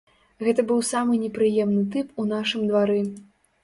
Гэта быў самы непрыемны тып у нашым двары.